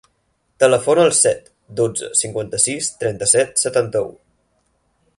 Telefona al set, dotze, cinquanta-sis, trenta-set, setanta-u.